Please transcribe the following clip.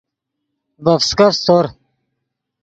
ڤے فسکف سیتور